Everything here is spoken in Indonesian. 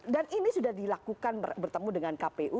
dan ini sudah dilakukan bertemu dengan kpu